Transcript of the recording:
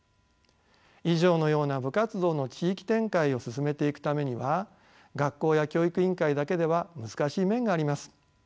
以上のような部活動の地域展開を進めていくためには学校や教育委員会だけでは難しい面があります。